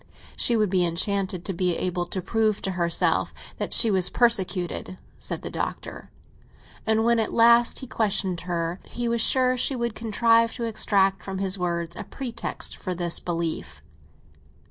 "She would be enchanted to be able to prove to herself that she is persecuted," said the Doctor; and when at last he questioned her, he was sure she would contrive to extract from his words a pretext for this belief.